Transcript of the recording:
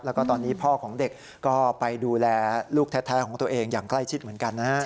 แล้วก็ตอนนี้พ่อของเด็กก็ไปดูแลลูกแท้ของตัวเองอย่างใกล้ชิดเหมือนกันนะฮะ